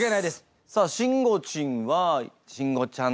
さあしんごちんは慎吾ちゃん